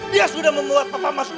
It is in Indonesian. dia sudah memuat papa masuk